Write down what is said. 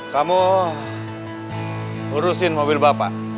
kamu urusin mobil bapak